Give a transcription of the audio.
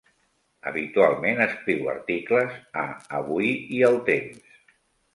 Habitualment escriu articles a Avui i El Temps.